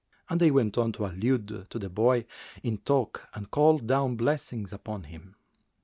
And they went on to allude to the boy in talk and call down blessings upon him.